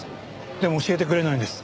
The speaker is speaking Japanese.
でも教えてくれないんです。